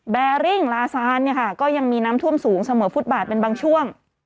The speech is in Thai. แบริ่งลาซานเนี่ยค่ะก็ยังมีน้ำท่วมสูงเสมอฟุตบาทเป็นบางช่วง